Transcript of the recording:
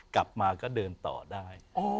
กลับมาก็เดินต่อได้